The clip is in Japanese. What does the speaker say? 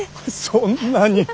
そんなに。